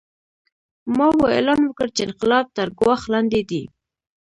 ماوو اعلان وکړ چې انقلاب تر ګواښ لاندې دی.